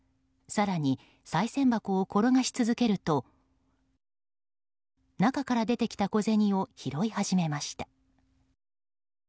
更に、さい銭箱を転がし続けると中から出てきた小銭を拾い始めました。